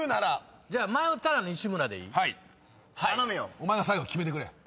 お前が最後に決めてくれ。